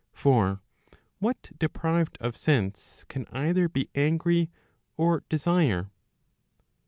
For what deprived of sense, can either be angry, or desire?